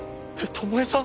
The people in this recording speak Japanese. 巴さん！